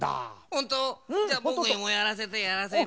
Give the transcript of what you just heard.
ほんと⁉じゃあぼくにもやらせてやらせて。